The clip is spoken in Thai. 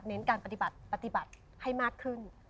การปฏิบัติปฏิบัติให้มากขึ้น